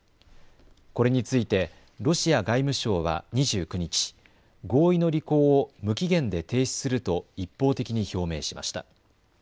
これについてロシア外務省は２９日、合意の履行を無期限で停止すると一方的に表明しました。